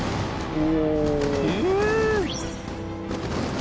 お！